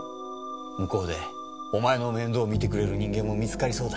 向こうでお前の面倒を見てくれる人間も見つかりそうだ。